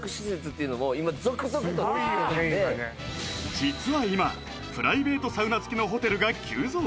今ねああ実は今プライベートサウナ付きのホテルが急増！